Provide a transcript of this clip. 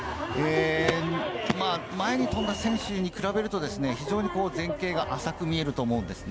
前に飛んだ選手に比べると、前傾が浅く見えると思うんですね。